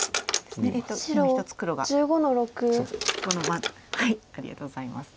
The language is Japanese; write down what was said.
ありがとうございます。